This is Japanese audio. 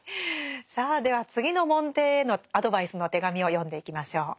さあでは次の門弟へのアドバイスの手紙を読んでいきましょう。